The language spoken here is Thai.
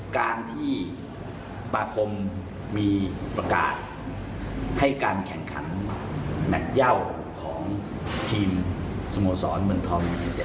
การที่สปาคมมีประกาศให้การแข่งขันนักย่าวของทีมสโมสรวัฒนธรรมนี้